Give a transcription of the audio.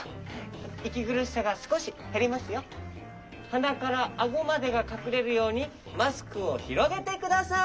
はなからあごまでがかくれるようにマスクをひろげてください。